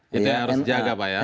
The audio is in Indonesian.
kita yang harus jaga pak